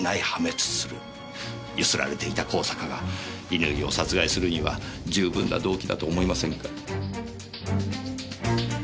ゆすられていた香坂が乾を殺害するには十分な動機だと思いませんか？